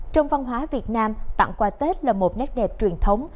trong văn hóa việt nam tặng quà tết là một nét đẹp truyền thống